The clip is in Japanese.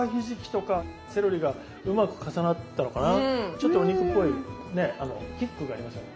ちょっとお肉っぽいねあのキックがありますよね。